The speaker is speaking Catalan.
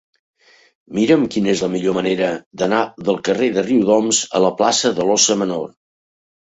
Mira'm quina és la millor manera d'anar del carrer de Riudoms a la plaça de l'Óssa Menor.